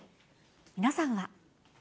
皆さんは。